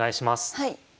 はい。